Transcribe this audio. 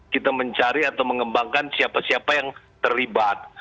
kita mencari atau mengembangkan siapa siapa yang terlibat